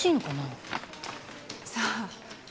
さあ。